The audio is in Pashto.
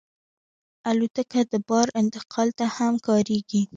الوتکه د بار انتقال ته هم کارېږي.